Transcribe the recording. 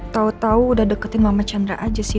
tau tau udah deketin mama chandra aja sih